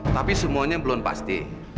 tapi semuanya belum pasti